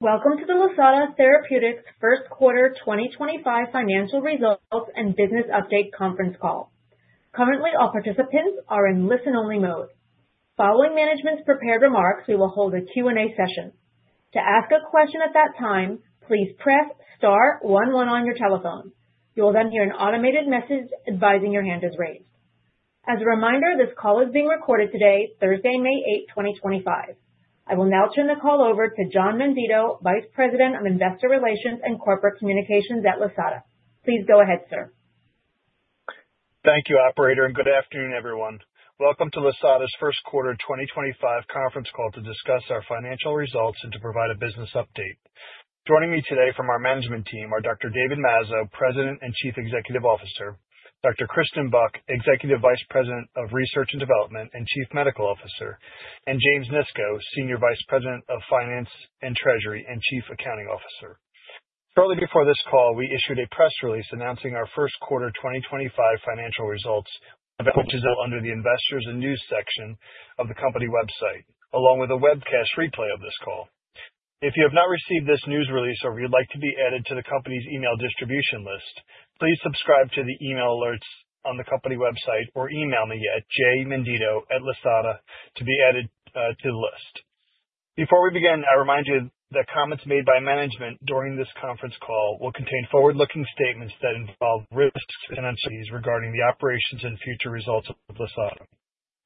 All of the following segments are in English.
Welcome to the Lisata Therapeutics First Quarter 2025 Financial Results and Business Update Conference Call. Currently, all participants are in listen-only mode. Following management's prepared remarks, we will hold a Q&A session. To ask a question at that time, please press star one one on your telephone. You will then hear an automated message advising your hand is raised. As a reminder, this call is being recorded today, Thursday, May 8, 2025. I will now turn the call over to John Menditto, Vice President of Investor Relations and Corporate Communications at Lisata. Please go ahead, sir. Thank you, Operator, and good afternoon, everyone. Welcome to Lisata's First Quarter 2025 Conference Call to discuss our financial results and to provide a business update. Joining me today from our management team are Dr. David Mazzo, President and Chief Executive Officer; Dr. Kristen Buck, Executive Vice President of Research and Development and Chief Medical Officer; and James Nisco, Senior Vice President of Finance and Treasury and Chief Accounting Officer. Shortly before this call, we issued a press release announcing our First Quarter 2025 financial results, which is now under the Investors and News section of the company website, along with a webcast replay of this call. If you have not received this news release or would like to be added to the company's email distribution list, please subscribe to the email alerts on the company website or email me at jmenditto@lisata to be added to the list. Before we begin, I remind you that comments made by management during this conference call will contain forward-looking statements that involve risks and uncertainties regarding the operations and future results of Lisata.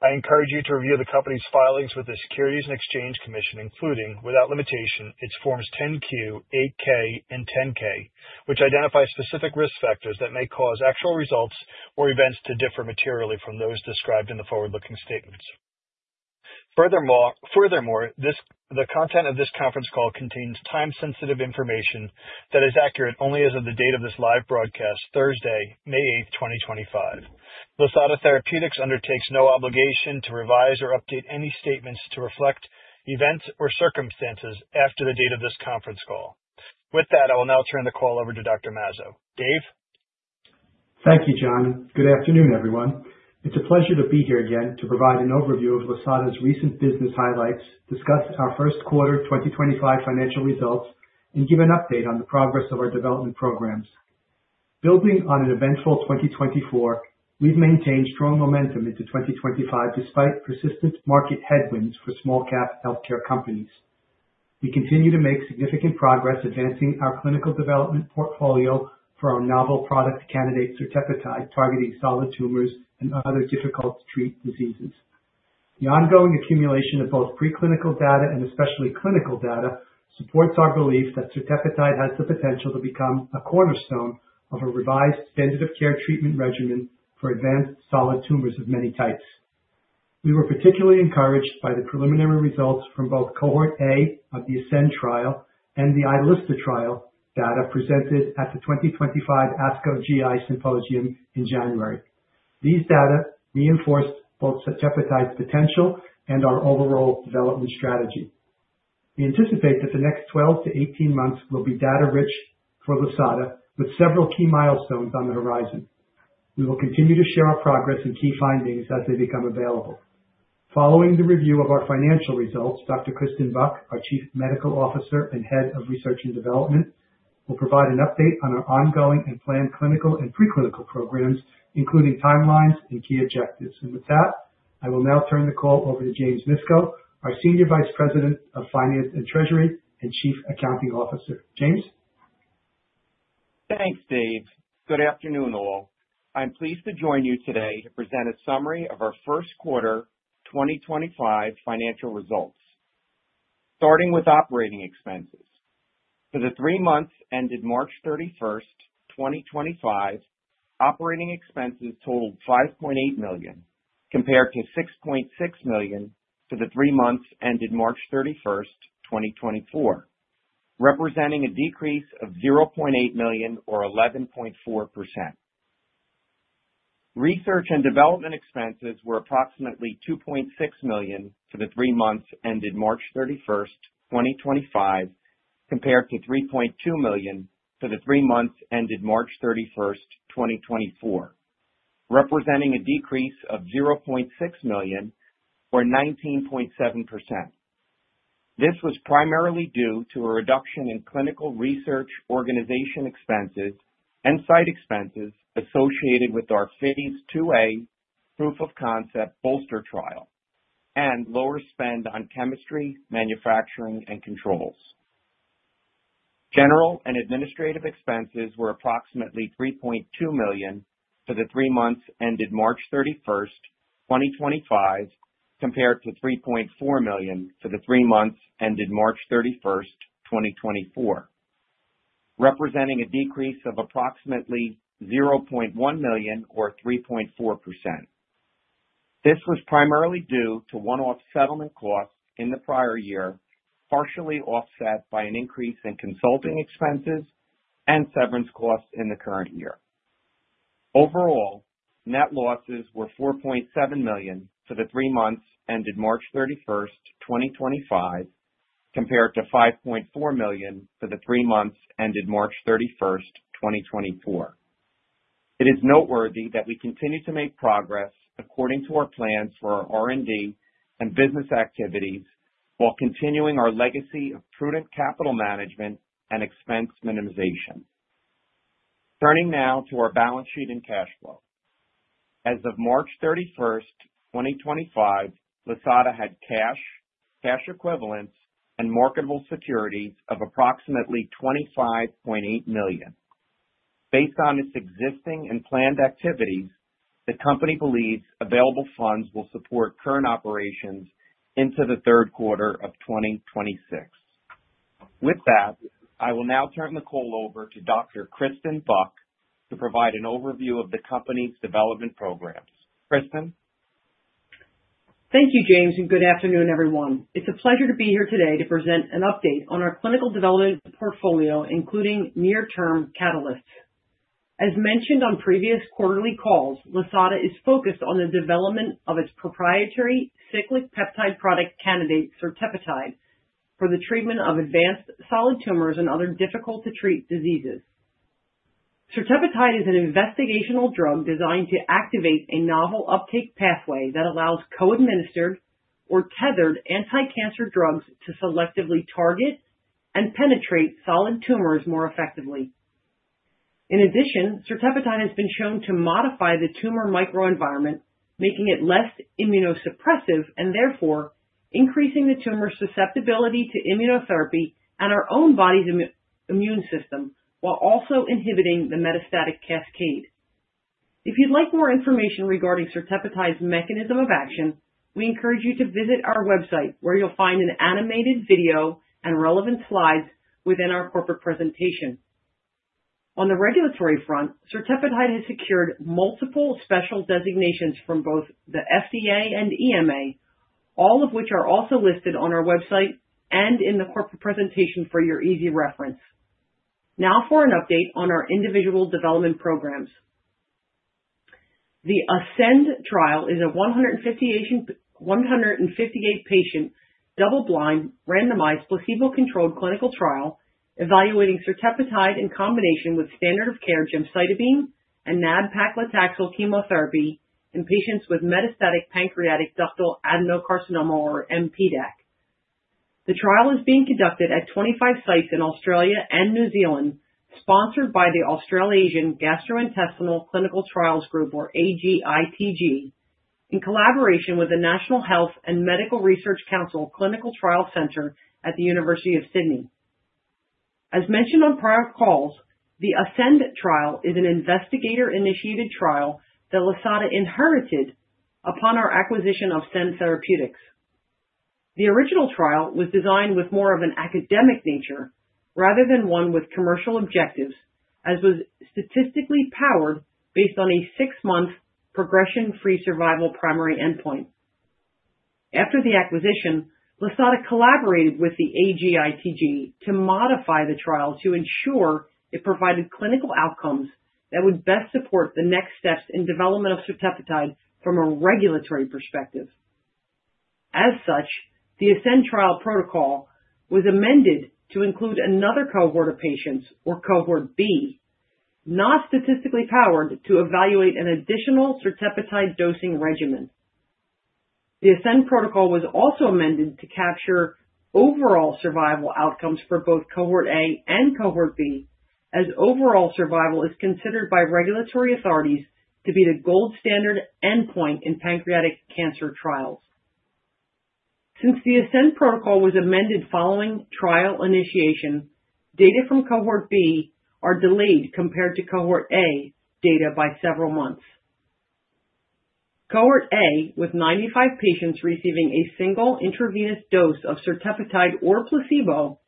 I encourage you to review the company's filings with the Securities and Exchange Commission, including, without limitation, its Forms 10-Q, 8-K, and 10-K, which identify specific risk factors that may cause actual results or events to differ materially from those described in the forward-looking statements. Furthermore, the content of this conference call contains time-sensitive information that is accurate only as of the date of this live broadcast, Thursday, May 8, 2025. Lisata Therapeutics undertakes no obligation to revise or update any statements to reflect events or circumstances after the date of this conference call. With that, I will now turn the call over to Dr. Mazzo. Dave? Thank you, John. Good afternoon, everyone. It's a pleasure to be here again to provide an overview of Lisata's recent business highlights, discuss our first quarter 2025 financial results, and give an update on the progress of our development programs. Building on an eventful 2024, we've maintained strong momentum into 2025 despite persistent market headwinds for small-cap healthcare companies. We continue to make significant progress advancing our clinical development portfolio for our novel product candidate, certepetide, targeting solid tumors and other difficult-to-treat diseases. The ongoing accumulation of both preclinical data and especially clinical data supports our belief that certepetide has the potential to become a cornerstone of a revised definitive care treatment regimen for advanced solid tumors of many types. We were particularly encouraged by the preliminary results from both Cohort A of the ASCEND trial and the iLISTA trial data presented at the 2025 ASCO GI Symposium in January. These data reinforced both certepetide's potential and our overall development strategy. We anticipate that the next 12 months to 18 months will be data-rich for Lisata, with several key milestones on the horizon. We will continue to share our progress and key findings as they become available. Following the review of our financial results, Dr. Kristen Buck, our Chief Medical Officer and Head of Research and Development, will provide an update on our ongoing and planned clinical and preclinical programs, including timelines and key objectives. I will now turn the call over to James Nisco, our Senior Vice President of Finance and Treasury and Chief Accounting Officer. James? Thanks, Dave. Good afternoon, all. I'm pleased to join you today to present a summary of our first quarter 2025 financial results. Starting with operating expenses. For the three months ended March 31st, 2025, operating expenses totaled $5.8 million, compared to $6.6 million for the three months ended March 31st, 2024, representing a decrease of $0.8 million, or 11.4%. Research and development expenses were approximately $2.6 million for the three months ended March 31st, 2025, compared to $3.2 million for the three months ended March 31st, 2024, representing a decrease of $0.6 million, or 19.7%. This was primarily due to a reduction in clinical research organization expenses and site expenses associated with our phase IIa proof-of-concept BOLSTER trial and lower spend on chemistry, manufacturing, and controls. General and administrative expenses were approximately $3.2 million for the three months ended March 31st, 2025, compared to $3.4 million for the three months ended March 31st, 2024, representing a decrease of approximately $0.1 million, or 3.4%. This was primarily due to one-off settlement costs in the prior year, partially offset by an increase in consulting expenses and severance costs in the current year. Overall, net losses were $4.7 million for the three months ended March 31st, 2025, compared to $5.4 million for the three months ended March 31st, 2024. It is noteworthy that we continue to make progress according to our plans for our R&D and business activities while continuing our legacy of prudent capital management and expense minimization. Turning now to our balance sheet and cash flow. As of March 31st, 2025, Lisata had cash, cash equivalents, and marketable securities of approximately $25.8 million. Based on its existing and planned activities, the company believes available funds will support current operations into the third quarter of 2026. With that, I will now turn the call over to Dr. Kristen Buck to provide an overview of the company's development programs. Kristen? Thank you, James, and good afternoon, everyone. It's a pleasure to be here today to present an update on our clinical development portfolio, including near-term catalysts. As mentioned on previous quarterly calls, Lisata is focused on the development of its proprietary cyclic peptide product candidate, certepetide, for the treatment of advanced solid tumors and other difficult-to-treat diseases. Certepetide is an investigational drug designed to activate a novel uptake pathway that allows co-administered or tethered anti-cancer drugs to selectively target and penetrate solid tumors more effectively. In addition, certepetide has been shown to modify the tumor microenvironment, making it less immunosuppressive and therefore increasing the tumor susceptibility to immunotherapy and our own body's immune system, while also inhibiting the metastatic cascade. If you'd like more information regarding certepetide's mechanism of action, we encourage you to visit our website, where you'll find an animated video and relevant slides within our corporate presentation. On the regulatory front, certepetide has secured multiple special designations from both the FDA and EMA, all of which are also listed on our website and in the corporate presentation for your easy reference. Now for an update on our individual development programs. The ASCEND trial is a 158-patient double-blind randomized placebo-controlled clinical trial evaluating certepetide in combination with standard of care gemcitabine and nab-paclitaxel chemotherapy in patients with metastatic pancreatic ductal adenocarcinoma, or mPDAC. The trial is being conducted at 25 sites in Australia and New Zealand, sponsored by the Australasian Gastrointestinal Clinical Trials Group, or AGITG, in collaboration with the National Health and Medical Research Council Clinical Trial Center at the University of Sydney. As mentioned on prior calls, the ASCEND trial is an investigator-initiated trial that Lisata inherited upon our acquisition of Cend Therapeutics. The original trial was designed with more of an academic nature rather than one with commercial objectives, as was statistically powered based on a six-month progression-free survival primary endpoint. After the acquisition, Lisata collaborated with the AGITG to modify the trial to ensure it provided clinical outcomes that would best support the next steps in development of certepetide from a regulatory perspective. As such, the ASCEND trial protocol was amended to include another cohort of patients, or Cohort B, not statistically powered to evaluate an additional certepetide dosing regimen. The ASCEND protocol was also amended to capture overall survival outcomes for both Cohort A and Cohort B, as overall survival is considered by regulatory authorities to be the gold standard endpoint in pancreatic cancer trials. Since the ASCEND protocol was amended following trial initiation, data from Cohort B are delayed compared to Cohort A data by several months. Cohort A, with 95 patients receiving a single intravenous dose of certepetide or placebo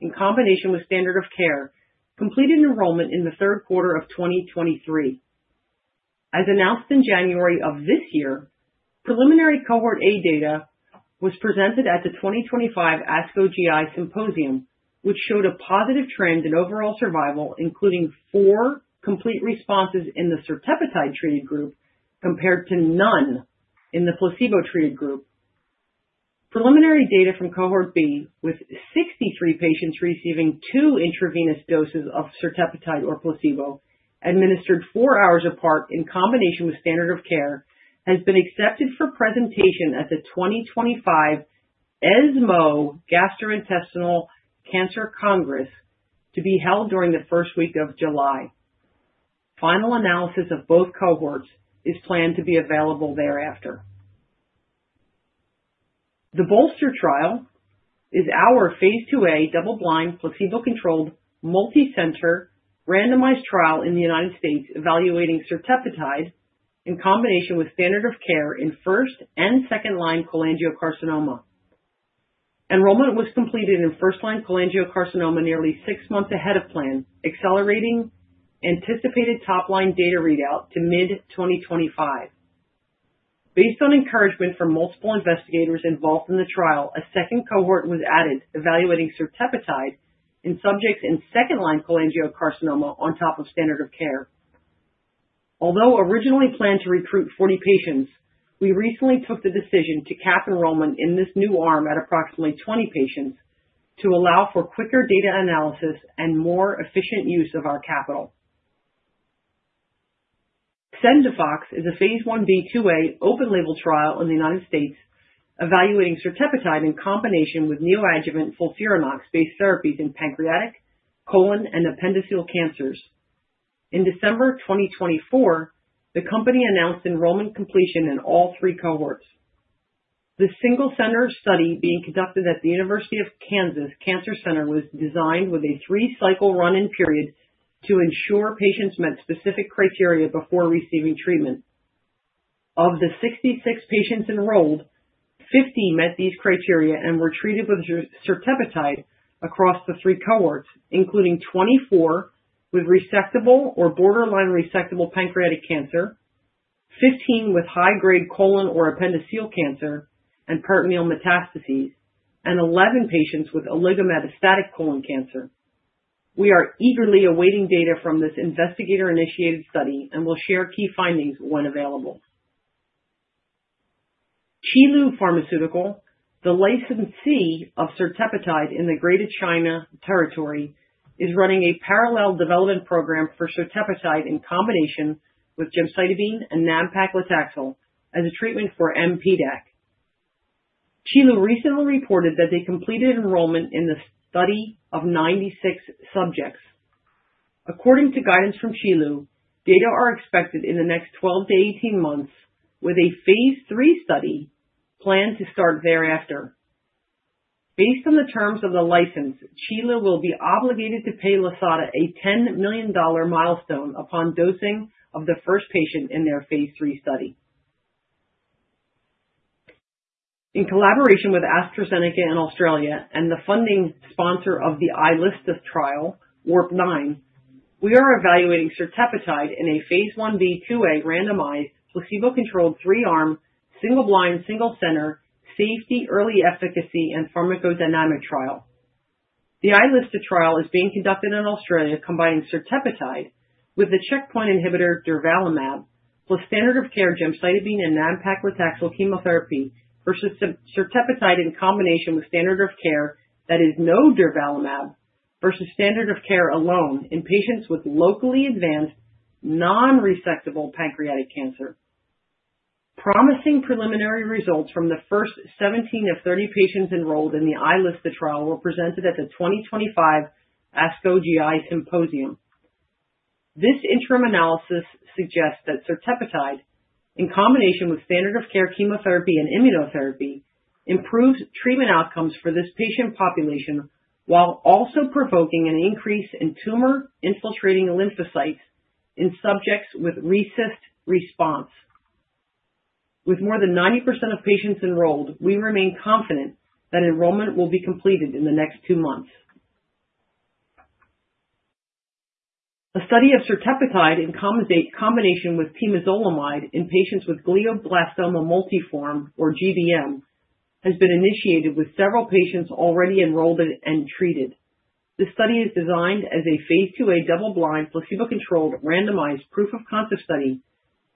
in combination with standard of care, completed enrollment in the third quarter of 2023. As announced in January of this year, preliminary Cohort A data was presented at the 2025 ASCO GI Symposium, which showed a positive trend in overall survival, including four complete responses in the certepetide treated group compared to none in the placebo-treated group. Preliminary data from Cohort B, with 63 patients receiving two intravenous doses of certepetide or placebo administered four hours apart in combination with standard of care, has been accepted for presentation at the 2025 ESMO Gastrointestinal Cancer Congress to be held during the first week of July. Final analysis of both cohorts is planned to be available thereafter. The BOLSTER trial is our phase IIa double-blind placebo-controlled multi-center randomized trial in the United States evaluating certepetide in combination with standard of care in first and second-line cholangiocarcinoma. Enrollment was completed in first-line cholangiocarcinoma nearly six months ahead of plan, accelerating anticipated top-line data readout to mid-2025. Based on encouragement from multiple investigators involved in the trial, a second cohort was added evaluating certepetide in subjects in second-line cholangiocarcinoma on top of standard of care. Although originally planned to recruit 40 patients, we recently took the decision to cap enrollment in this new arm at approximately 20 patients to allow for quicker data analysis and more efficient use of our capital. CENDIFOX is a phase Ib/IIa open-label trial in the United States evaluating certepetide in combination with neoadjuvant FOLFIRINOX-based therapies in pancreatic, colon, and appendiceal cancers. In December 2024, the company announced enrollment completion in all three cohorts. The single-center study being conducted at the University of Kansas Cancer Center was designed with a three-cycle run-in period to ensure patients met specific criteria before receiving treatment. Of the 66 patients enrolled, 50 met these criteria and were treated with certepetide across the three cohorts, including 24 with resectable or borderline resectable pancreatic cancer, 15 with high-grade colon or appendiceal cancer and peritoneal metastases, and 11 patients with oligometastatic colon cancer. We are eagerly awaiting data from this investigator-initiated study and will share key findings when available. Qilu Pharmaceutical, the licensee of certepetide in the Greater China territory, is running a parallel development program for certepetide in combination with gemcitabine and nab-paclitaxel as a treatment for mPDAC. Qilu recently reported that they completed enrollment in the study of 96 subjects. According to guidance from Qilu, data are expected in the next 12 months-18 months, with a phase III study planned to start thereafter. Based on the terms of the license, Qilu will be obligated to pay Lisata a $10 million milestone upon dosing of the first patient in their phase III study. In collaboration with AstraZeneca in Australia and the funding sponsor of the iLISTA trial, WARPNINE, we are evaluating certepetide in a phase Ib/IIa randomized placebo-controlled three-arm single-blind single-center safety, early efficacy, and pharmacodynamic trial. The iLISTA trial is being conducted in Australia, combining certepetide with the checkpoint inhibitor durvalumab, plus standard of care gemcitabine and nab-paclitaxel chemotherapy versus certepetide in combination with standard of care that is no durvalumab versus standard of care alone in patients with locally advanced non-resectable pancreatic cancer. Promising preliminary results from the first 17 of 30 patients enrolled in the iLISTA trial were presented at the 2025 ASCO GI Symposium. This interim analysis suggests that certepetide, in combination with standard of care chemotherapy and immunotherapy, improves treatment outcomes for this patient population while also provoking an increase in tumor-infiltrating lymphocytes in subjects with recessed response. With more than 90% of patients enrolled, we remain confident that enrollment will be completed in the next two months. A study of certepetide in combination with temozolomide in patients with glioblastoma multiforme, or GBM, has been initiated with several patients already enrolled and treated. This study is designed as a phase IIa double-blind placebo-controlled randomized proof-of-concept study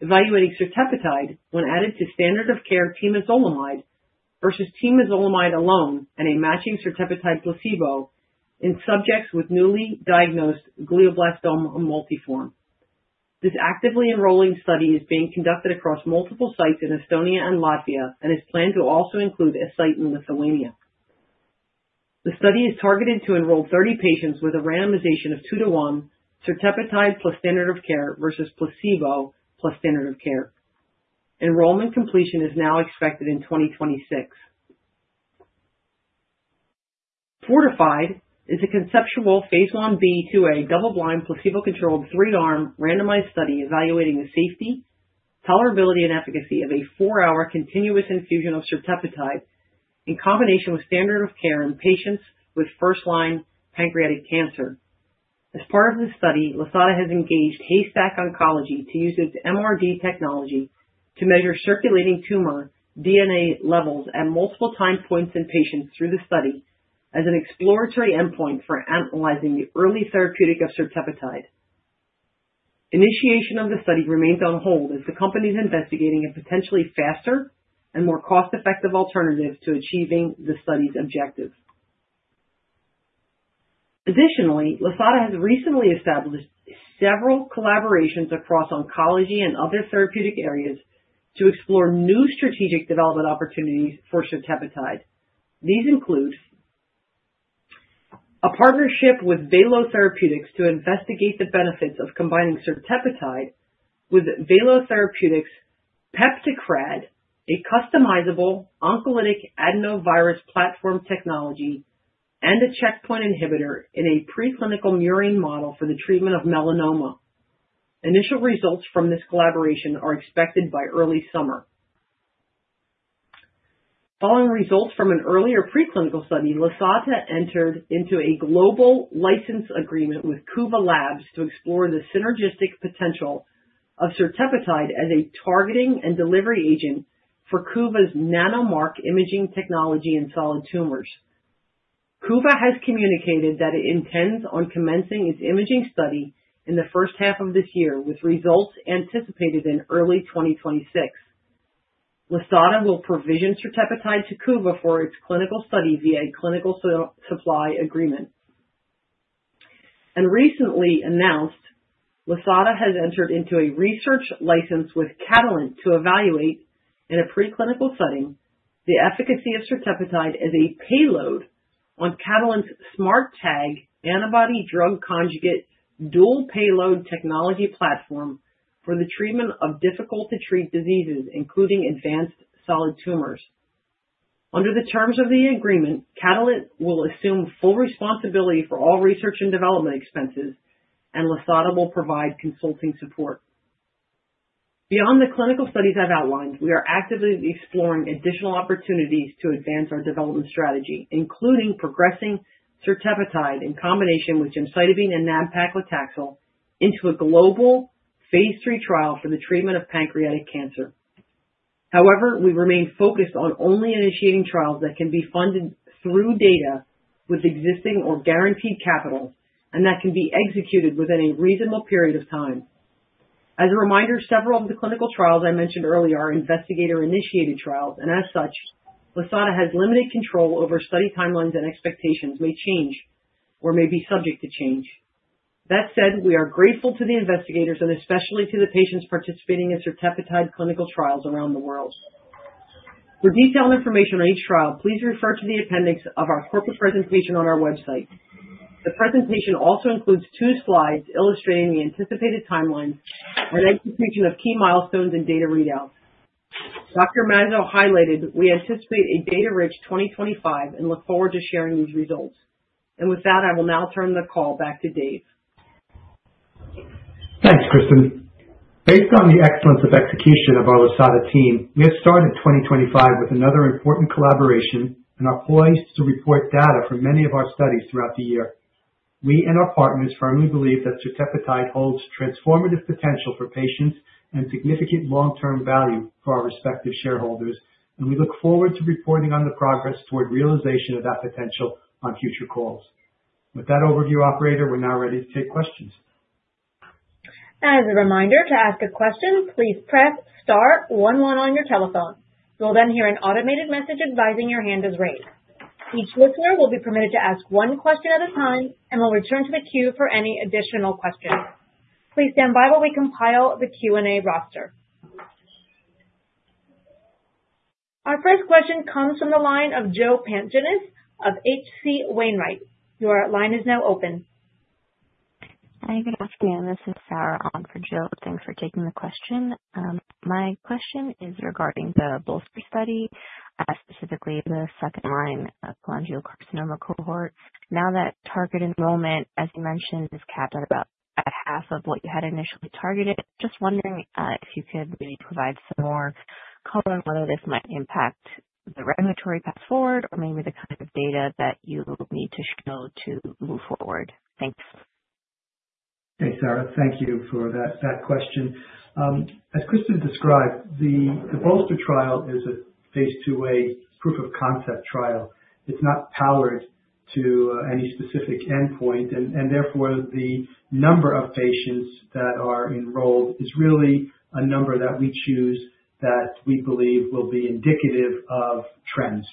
evaluating certepetide when added to standard of care temozolomide versus temozolomide alone and a matching certepetide placebo in subjects with newly diagnosed glioblastoma multiforme. This actively enrolling study is being conducted across multiple sites in Estonia and Latvia and is planned to also include a site in Lithuania. The study is targeted to enroll 30 patients with a randomization of two-to-one certepetide plus standard of care versus placebo plus standard of care. Enrollment completion is now expected in 2026. Fortified is a conceptual phase Ib/IIa double-blind placebo-controlled three-arm randomized study evaluating the safety, tolerability, and efficacy of a four-hour continuous infusion of certepetide in combination with standard of care in patients with first-line pancreatic cancer. As part of the study, Lisata has engaged Haystack Oncology to use its MRD technology to measure circulating tumor DNA levels at multiple time points in patients through the study as an exploratory endpoint for analyzing the early therapeutic of certepetide. Initiation of the study remains on hold as the company is investigating a potentially faster and more cost-effective alternative to achieving the study's objectives. Additionally, Lisata has recently established several collaborations across oncology and other therapeutic areas to explore new strategic development opportunities for certepetide. These include a partnership with Valo Therapeutics to investigate the benefits of combining certepetide with Valo Therapeutics' PeptiCRAd, a customizable oncolytic adenovirus platform technology and a checkpoint inhibitor in a preclinical murine model for the treatment of melanoma. Initial results from this collaboration are expected by early summer. Following results from an earlier preclinical study, Lisata entered into a global license agreement with Kuva Labs to explore the synergistic potential of certepetide as a targeting and delivery agent for Kuva's nanomark imaging technology in solid tumors. Kuva has communicated that it intends on commencing its imaging study in the first half of this year, with results anticipated in early 2026. Lisata will provision certepetide to Kuva for its clinical study via a clinical supply agreement. Recently announced, Lisata has entered into a research license with Catalent to evaluate in a preclinical setting the efficacy of certepetide as a payload on Catalent's SMARTag antibody-drug conjugate dual payload technology platform for the treatment of difficult-to-treat diseases, including advanced solid tumors. Under the terms of the agreement, Catalent will assume full responsibility for all research and development expenses, and Lisata will provide consulting support. Beyond the clinical studies I've outlined, we are actively exploring additional opportunities to advance our development strategy, including progressing certepetide in combination with gemcitabine and nab-paclitaxel into a global phase III trial for the treatment of pancreatic cancer. However, we remain focused on only initiating trials that can be funded through data with existing or guaranteed capital and that can be executed within a reasonable period of time. As a reminder, several of the clinical trials I mentioned earlier are investigator-initiated trials, and as such, Lisata has limited control over study timelines and expectations may change or may be subject to change. That said, we are grateful to the investigators and especially to the patients participating in certepetide clinical trials around the world. For detailed information on each trial, please refer to the appendix of our corporate presentation on our website. The presentation also includes two slides illustrating the anticipated timeline and execution of key milestones and data readouts. Dr. Mazzo highlighted we anticipate a data-rich 2025 and look forward to sharing these results. With that, I will now turn the call back to Dave. Thanks, Kristen. Based on the excellence of execution of our Lisata team, we have started 2025 with another important collaboration and are poised to report data from many of our studies throughout the year. We and our partners firmly believe that certepetide holds transformative potential for patients and significant long-term value for our respective shareholders, and we look forward to reporting on the progress toward realization of that potential on future calls. With that overview, operator, we're now ready to take questions. As a reminder, to ask a question, please press star one one on your telephone. You'll then hear an automated message advising your hand is raised. Each listener will be permitted to ask one question at a time and will return to the queue for any additional questions. Please stand by while we compile the Q&A roster. Our first question comes from the line of Joe Pantginis of H.C. Wainwright. Your line is now open. Hi, good afternoon. This is Sarah on for Joe. Thanks for taking the question. My question is regarding the BOLSTER study, specifically the second-line cholangiocarcinoma cohort. Now that target enrollment, as you mentioned, is capped at about half of what you had initially targeted, just wondering if you could maybe provide some more color on whether this might impact the regulatory path forward or maybe the kind of data that you need to show to move forward. Thanks. Hey, Sarah, thank you for that question. As Kristen described, the BOLSTER trial is a phase IIa proof-of-concept trial. It's not powered to any specific endpoint, and therefore the number of patients that are enrolled is really a number that we choose that we believe will be indicative of trends.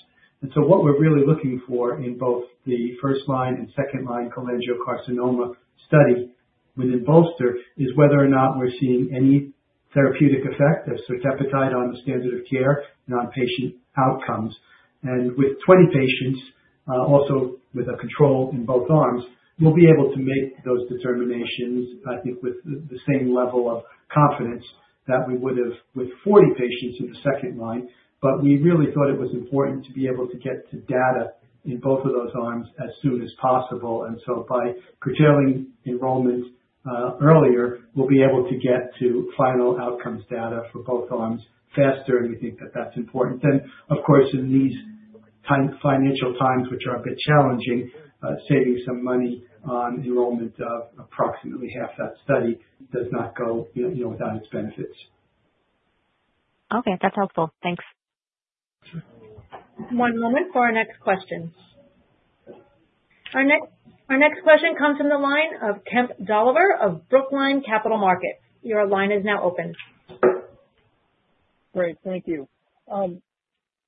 What we're really looking for in both the first-line and second-line cholangiocarcinoma study within BOLSTER is whether or not we're seeing any therapeutic effect of certepetide on the standard of care and on patient outcomes. With 20 patients, also with a control in both arms, we'll be able to make those determinations, I think, with the same level of confidence that we would have with 40 patients in the second line. We really thought it was important to be able to get to data in both of those arms as soon as possible. By curtailing enrollment earlier, we'll be able to get to final outcomes data for both arms faster, and we think that that's important. Of course, in these financial times, which are a bit challenging, saving some money on enrollment of approximately half that study does not go without its benefits. Okay, that's helpful. Thanks. One moment for our next question. Our next question comes from the line of Kemp Dolliver of Brookline Capital Markets. Your line is now open. Great, thank you.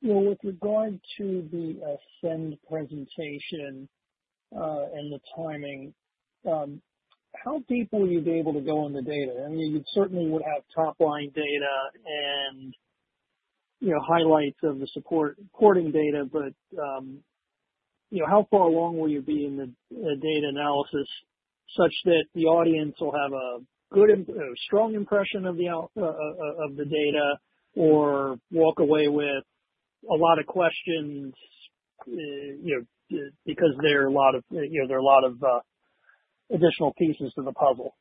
With regard to the ASCEND presentation and the timing, how deep would you be able to go in the data? I mean, you certainly would have top-line data and highlights of the support. Reporting data, but how far along will you be in the data analysis such that the audience will have a strong impression of the data or walk away with a lot of questions because there are a lot of additional pieces to the puzzle?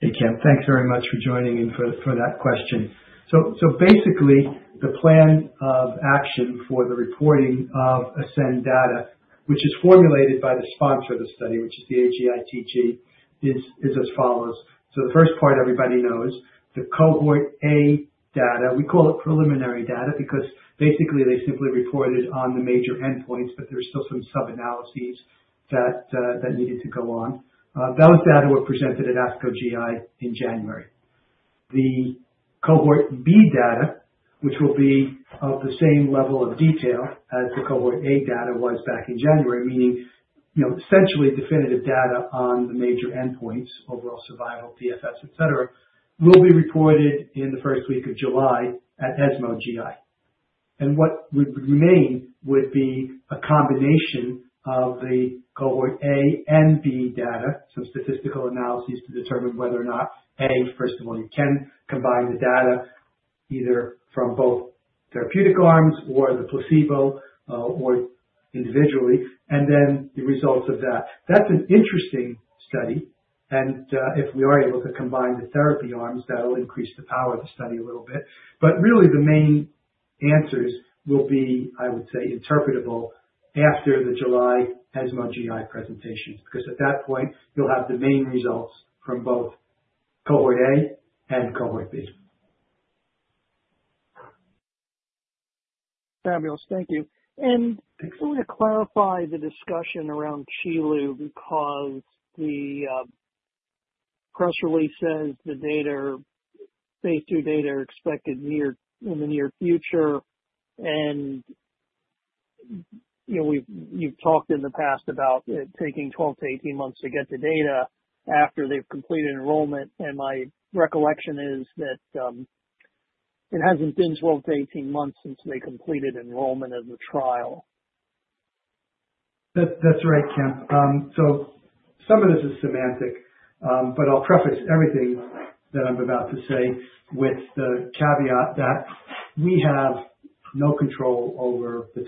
Hey, Kemp, thanks very much for joining in for that question. Basically, the plan of action for the reporting of ASCEND data, which is formulated by the sponsor of the study, which is the AGITG, is as follows. The first part everybody knows, the Cohort A data, we call it preliminary data because basically they simply reported on the major endpoints, but there were still some sub-analyses that needed to go on. Those data were presented at ASCO GI in January. The Cohort B data, which will be of the same level of detail as the Cohort A data was back in January, meaning essentially definitive data on the major endpoints, overall survival, PFS, etc., will be reported in the first week of July at ESMO GI. What would remain would be a combination of the Cohort A and B data, some statistical analyses to determine whether or not, first of all, you can combine the data either from both therapeutic arms or the placebo or individually, and then the results of that. That's an interesting study. If we are able to combine the therapy arms, that'll increase the power of the study a little bit. Really, the main answers will be, I would say, interpretable after the July ESMO GI presentations because at that point, you'll have the main results from both Cohort A and Cohort B. Fabulous, thank you. I want to clarify the discussion around Qilu because the press release says the phase II data are expected in the near future. You've talked in the past about it taking 12 months-18 months to get the data after they've completed enrollment. My recollection is that it hasn't been 12 months-18 months since they completed enrollment of the trial. That's right, Kemp. Some of this is semantic, but I'll preface everything that I'm about to say with the caveat that we have no control over the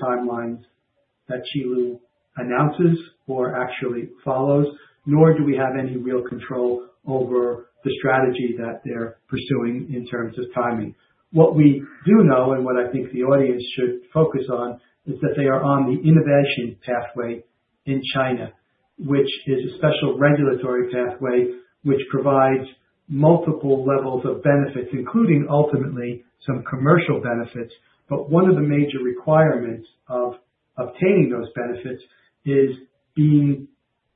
timelines that Qilu announces or actually follows, nor do we have any real control over the strategy that they're pursuing in terms of timing. What we do know and what I think the audience should focus on is that they are on the innovation pathway in China, which is a special regulatory pathway which provides multiple levels of benefits, including ultimately some commercial benefits. One of the major requirements of obtaining those benefits is being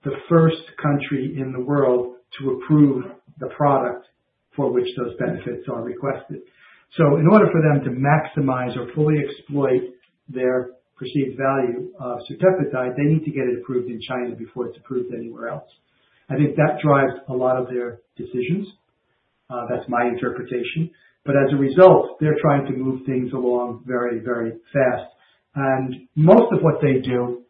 the first country in the world to approve the product for which those benefits are requested. In order for them to maximize or fully exploit their perceived value of certepetide, they need to get it approved in China before it's approved anywhere else. I think that drives a lot of their decisions. That's my interpretation. As a result, they're trying to move things along very, very fast. Most of what they do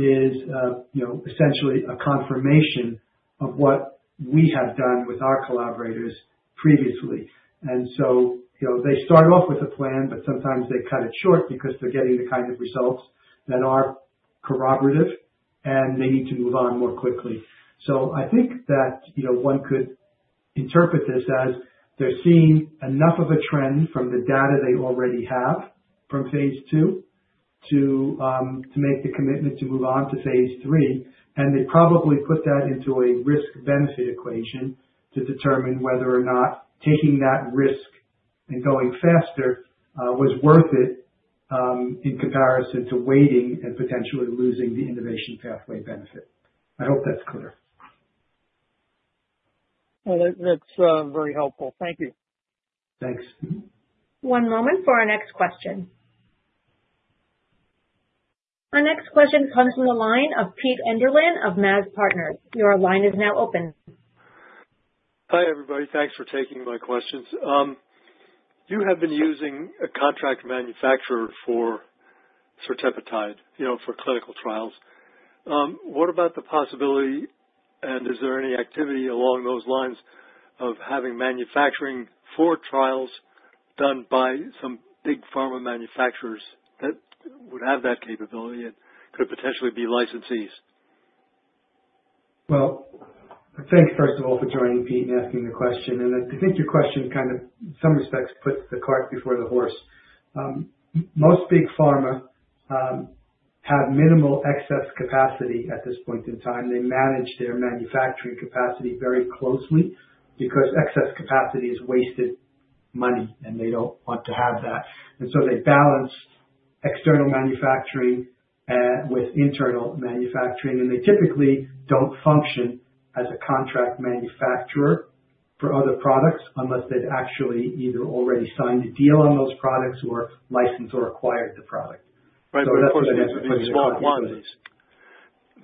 is essentially a confirmation of what we have done with our collaborators previously. They start off with a plan, but sometimes they cut it short because they're getting the kind of results that are corroborative, and they need to move on more quickly. I think that one could interpret this as they're seeing enough of a trend from the data they already have from phase II to make the commitment to move on to phase III, and they probably put that into a risk-benefit equation to determine whether or not taking that risk and going faster was worth it in comparison to waiting and potentially losing the innovation pathway benefit. I hope that's clear. That's very helpful. Thank you. Thanks. One moment for our next question. Our next question comes from the line of Peter Enderlin of MAZ Partners. Your line is now open. Hi, everybody. Thanks for taking my questions. You have been using a contract manufacturer for certepetide for clinical trials. What about the possibility, and is there any activity along those lines of having manufacturing for trials done by some big pharma manufacturers that would have that capability and could potentially be licensees? Thanks, first of all, for joining, Peter, and asking the question. I think your question kind of, in some respects, puts the cart before the horse. Most big pharma have minimal excess capacity at this point in time. They manage their manufacturing capacity very closely because excess capacity is wasted money, and they don't want to have that. They balance external manufacturing with internal manufacturing, and they typically do not function as a contract manufacturer for other products unless they have actually either already signed a deal on those products or licensed or acquired the product. That is the answer for these small quantities.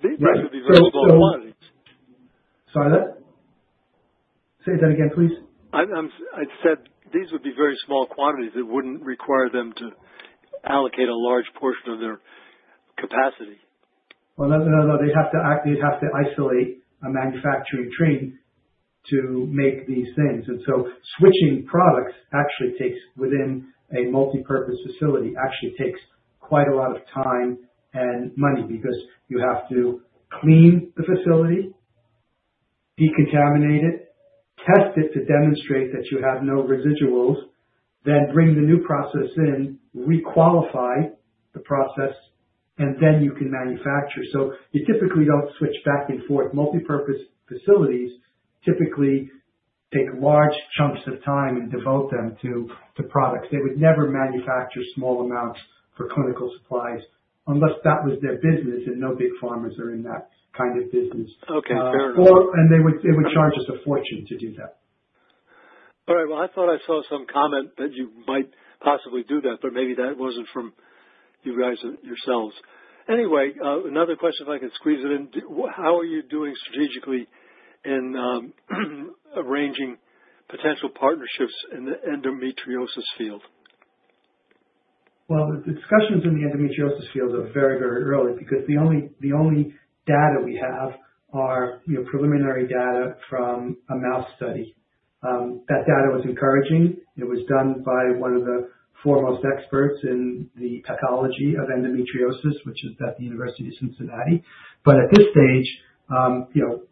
These would be very small quantities. Sorry, that? Say that again, please. I said these would be very small quantities. It would not require them to allocate a large portion of their capacity. No, no, no. They would have to isolate a manufacturing train to make these things. Switching products actually takes, within a multi-purpose facility, quite a lot of time and money because you have to clean the facility, decontaminate it, test it to demonstrate that you have no residuals, then bring the new process in, requalify the process, and then you can manufacture. You typically do not switch back and forth. Multi-purpose facilities typically take large chunks of time and devote them to products. They would never manufacture small amounts for clinical supplies unless that was their business, and no big pharmas are in that kind of business. Fair enough. They would charge us a fortune to do that. All right. I thought I saw some comment that you might possibly do that, but maybe that was not from you guys yourselves. Anyway, another question if I can squeeze it in. How are you doing strategically in arranging potential partnerships in the endometriosis field? The discussions in the endometriosis field are very, very early because the only data we have are preliminary data from a mouse study. That data was encouraging. It was done by one of the foremost experts in the pathology of endometriosis, which is at the University of Cincinnati. At this stage,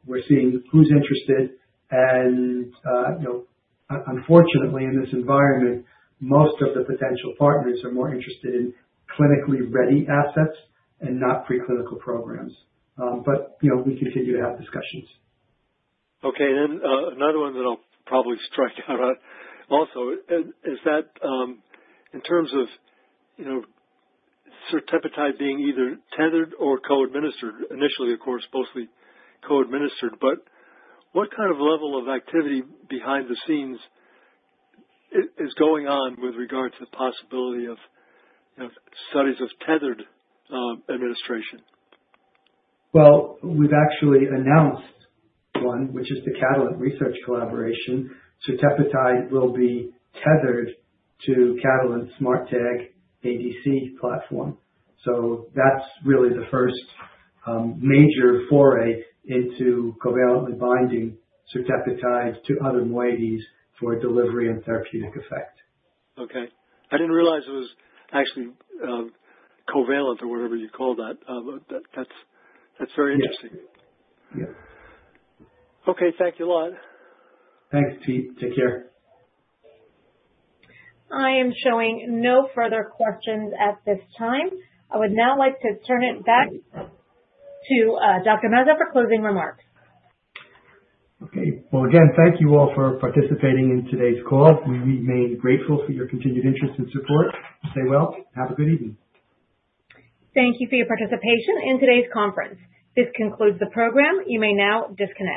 we're seeing who's interested. Unfortunately, in this environment, most of the potential partners are more interested in clinically ready assets and not preclinical programs. We continue to have discussions. Okay. Another one that I'll probably strike out on also is that in terms of certepetide being either tethered or co-administered, initially, of course, mostly co-administered, but what kind of level of activity behind the scenes is going on with regard to the possibility of studies of tethered administration? We've actually announced one, which is the Catalent research collaboration. Certepetide will be tethered to Catalent SMARTag ADC platform. That's really the first major foray into covalently binding certepetide to other moieties for delivery and therapeutic effect. Okay. I did not realize it was actually covalent or whatever you call that. That is very interesting. Okay, thank you a lot. Thanks, Pete. Take care. I am showing no further questions at this time. I would now like to turn it back to Dr. Mazzo for closing remarks. Okay. Again, thank you all for participating in today's call. We remain grateful for your continued interest and support. Stay well. Have a good evening. Thank you for your participation in today's conference. This concludes the program. You may now disconnect.